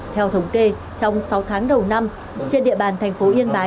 theo thống kê trong sáu tháng đầu năm trên địa bàn thành phố yên bái